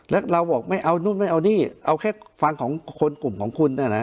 แล้วเราบอกไม่เอานู่นไม่เอานี่เอาแค่ฟังของคนกลุ่มของคุณ